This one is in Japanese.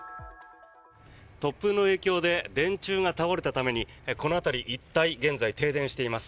突風の影響で電柱が倒れたためにこの辺り一帯現在、停電しています。